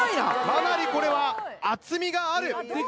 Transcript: かなりこれは厚みがある！